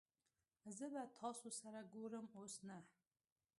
زه به تاسو سره ګورم اوس نه